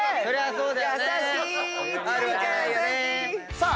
さあ